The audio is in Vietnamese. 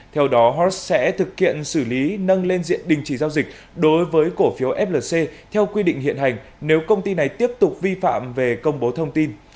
theo đó hot sẽ thực hiện xử lý nâng lên diện đình chỉ giao dịch đối với cổ phiếu flc theo quy định hiện hành nếu công ty này tiếp tục vi phạm về công bố thông tin